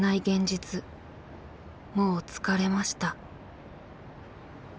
現実もう疲れました」。